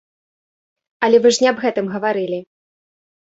Але вы ж не аб гэтым гаварылі.